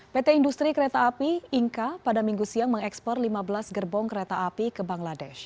pt industri kereta api inka pada minggu siang mengekspor lima belas gerbong kereta api ke bangladesh